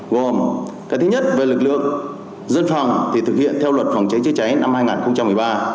gồm cái thứ nhất về lực lượng dân phòng thì thực hiện theo luật phòng cháy chữa cháy năm hai nghìn một mươi ba